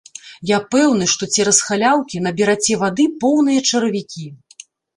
Я пэўны, што цераз халяўкі набераце вады поўныя чаравікі.